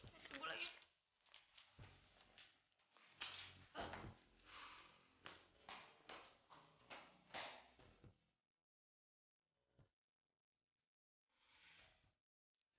masuk dulu lagi